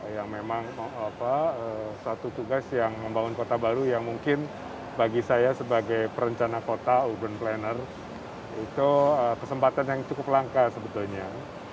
yang memang satu tugas yang membangun kota baru yang mungkin bagi saya sebagai perencana kota urban planner itu kesempatan yang cukup langka sebetulnya